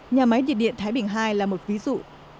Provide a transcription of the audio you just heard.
nhà máy nhiệt điện thái bình ii là một ví dụ